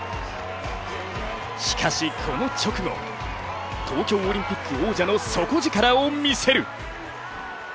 しかし、この直後、東京オリンピック王者の底力を見せる。